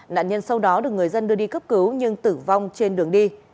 nạn nhân sau đó được người dân đưa đi cấp cứu nhưng tử vong trên đường đi